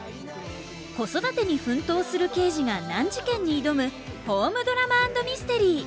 子育てに奮闘する刑事が難事件に挑むホームドラマ＆ミステリー。